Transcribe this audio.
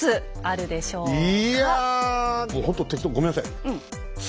いやもうほんと適当ごめんなさい。